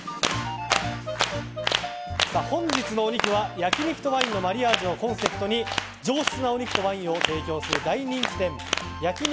本日のお肉は焼き肉とワインのマリアージュをコンセプトに上質なお肉とワインを提供する大人気店焼肉